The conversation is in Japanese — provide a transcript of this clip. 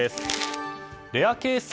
レアケース？